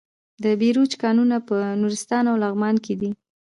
د بیروج کانونه په نورستان او لغمان کې دي.